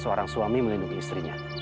sebagaimana suami melindungi istrinya